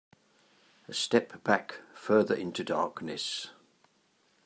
A step back further into the darkness.